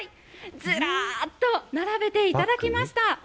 ずらっと並べていただきました。